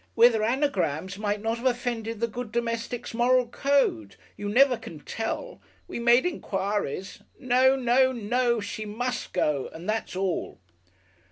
" whether anagrams might not have offended the good domestic's Moral Code you never can tell. We made enquiries. No. No. No. She must go and that's all!"